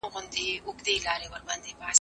د اسلام مبارک دین د ژوند رڼا ده.